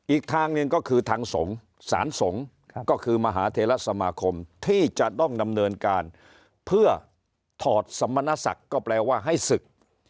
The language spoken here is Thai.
อีกทางหนึ่งก็คือทางสงฆ์สารสงฆ์ก็คือมหาเทลสมาคมที่จะต้องดำเนินการเพื่อถอดสมณศักดิ์ก็แปลว่าให้ศึก